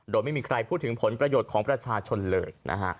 โดยไม่มีใครพูดถึงผลประโยชน์ของประชาชนเลยนะฮะ